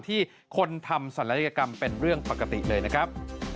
ที่คนทำศัลยกรรมเป็นเรื่องปกติเลยนะครับ